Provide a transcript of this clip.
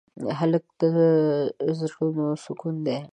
هلک د زړونو سکون دی.